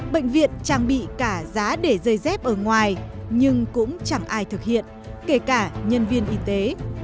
bệnh viện trang bị cả giá để dây dép ở ngoài nhưng cũng chẳng ai thực hiện kể cả nhân viên y tế